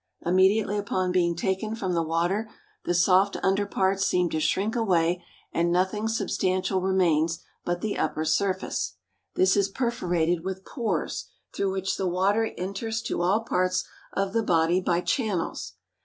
Immediately upon being taken from the water the soft under parts seem to shrink away and nothing substantial remains but the upper surface. This is perforated with pores, through which the water enters to all parts of the body by channels.